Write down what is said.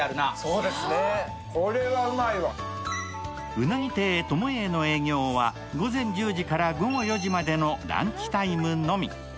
うなぎ亭友栄の営業は午前１０時から午後４時までのランチタイムのみ。